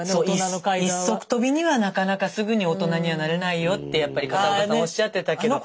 一足飛びにはなかなかすぐに大人にはなれないよってやっぱり片岡さんおっしゃってたけど。